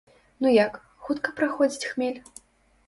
Ну як, хутка праходзіць хмель?